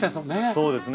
そうですね。